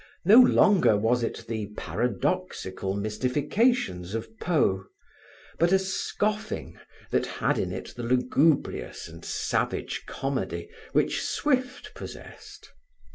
No longer was it the paradoxical mystifications of Poe, but a scoffing that had in it the lugubrious and savage comedy which Swift possessed.